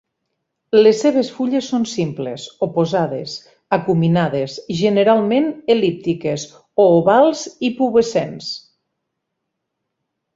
Les seves fulles són simples, oposades, acuminades, generalment el·líptiques o ovals i pubescents.